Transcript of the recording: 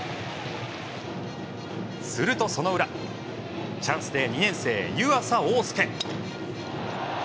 すると、その裏チャンスで２年生、湯浅桜翼。